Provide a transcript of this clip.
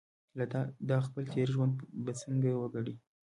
دا خپل تېر ژوند به څنګه وګڼي.